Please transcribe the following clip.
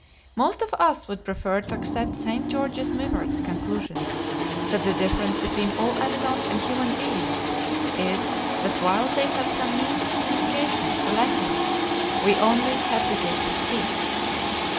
Most of us would prefer to accept St. George Mivart's conclusions, that the difference between all animals and human beings is that while they have some means of communication, or language, we only have the gift of speech.